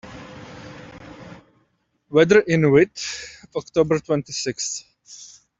Weather in Witt october twenty-sixth